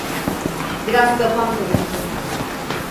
Biraz kafam karıştı.